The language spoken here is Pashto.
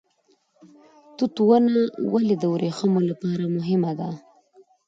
توت ونه ولې د وریښمو لپاره مهمه ده؟